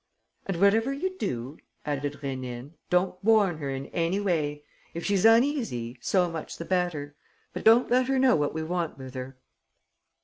"And, whatever you do," added Rénine, "don't warn her in any way. If she's uneasy, so much the better. But don't let her know what we want with her."